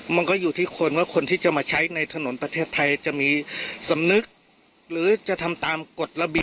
มันก็อยู่ที่คนว่าคนที่จะมาใช้ในถนนประเทศไทยจะมีสำนึกหรือจะทำตามกฎระเบียบ